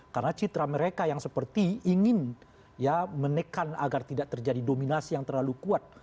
karena citra mereka yang seperti ingin ya menekan agar tidak terjadi dominasi yang terlalu kuat